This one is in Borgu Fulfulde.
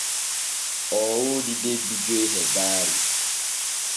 Oo woodi debbi joy e gaari.